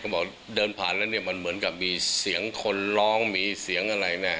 บอกเดินผ่านแล้วเนี่ยมันเหมือนกับมีเสียงคนร้องมีเสียงอะไรเนี่ย